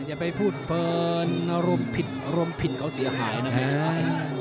อย่าไปพูดเพลินรวมผิดเขาเสียหายนะครับ